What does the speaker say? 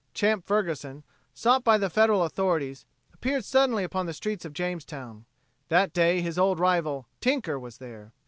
Champ Ferguson, sought by the Federal authorities, appeared suddenly upon the streets of Jamestown. That day his old rival, "Tinker," was there.